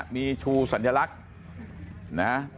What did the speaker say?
มีชูสัญลักษณ์นะ